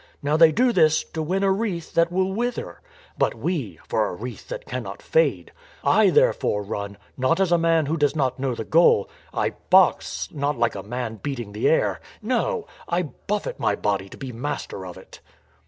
Now they do this to win a wreath that will wither; but we for a wreath that cannot fade. I therefore run, not as a man who does not know the goal; I box not like a man beating the air. No ! I buffet my body to be master of it."